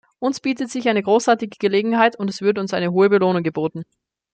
Uns bietet sich eine großartige Gelegenheit, und es wird uns eine hohe Belohnung geboten.